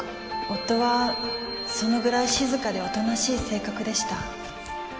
夫はそのぐらい静かでおとなしい性格でした。